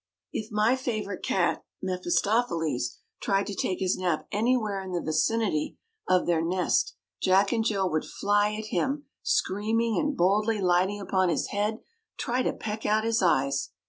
If my favorite cat, Mephistopheles, tried to take his nap anywhere in the vicinity of their nest Jack and Jill would fly at him, screaming, and, boldly lighting upon his head, try to peck at his eyes.